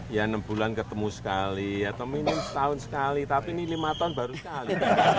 ya enam bulan ketemu sekali atau minim setahun sekali tapi ini lima tahun baru sekali